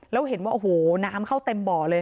แล้วเห็นว่าโอ้โหน้ำเข้าเต็มบ่อเลย